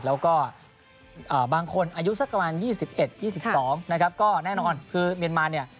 แล้วก็บางคนอายุสักประมาณ๒๑๒๒นะครับก็แน่นอนคือเมียนมาเนี่ย